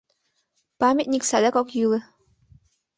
Памятник садак ок йӱлӧ.